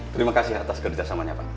terima kasih atas kerjasamanya pak